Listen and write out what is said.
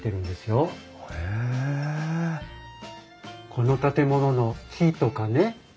この建物の木とかね